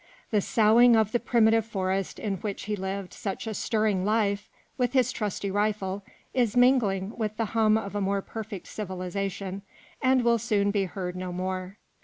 The soughing of the primitive forest in which he lived such a stirring life with his trusty rifle, is mingling with the hum of a more perfect civilization, and will soon be heard no more.